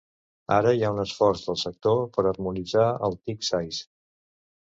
Ara hi ha un esforç del sector per harmonitzar el tick size.